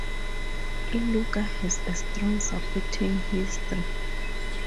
Iluka has a strong sporting history.